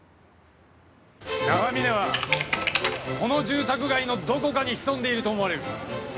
長嶺はこの住宅街のどこかに潜んでいると思われる。